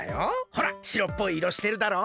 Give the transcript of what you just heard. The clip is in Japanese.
ほらしろっぽいいろしてるだろ？